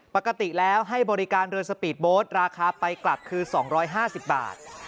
ปกติแล้วให้บริการเรือสปีดโบสต์ราคาไปกลับคือ๒๕๐บาท